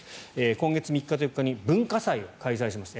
今月３日と４日に文化祭を開催しました。